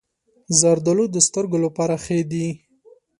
زردالو د سترګو لپاره ښه دي.